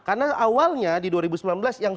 karena awalnya di dua ribu sembilan belas yang